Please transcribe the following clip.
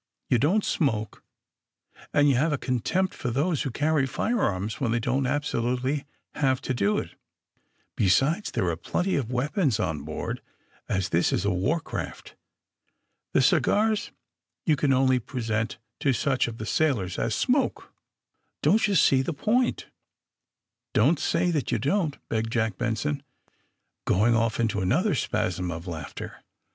You don't smoke and you have a contempt for those who carry firearms when they don't absolutely have to do it. Besides, there are plenty of weapons on board, as this is a war craft. The cigars you can only present to such of the sail ors as smoke." ^ 'Don't you see the point I Bon't say that you don't," begged Jack Benson, going off into another spasm of laughter.